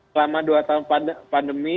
selama dua tahun pandemi